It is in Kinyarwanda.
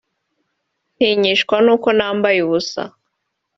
ntinyishwa n’uko nambaye ubusa